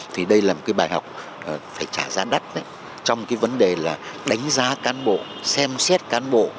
thì đây là một bài học phải trả giá đắt trong vấn đề đánh giá cán bộ xem xét cán bộ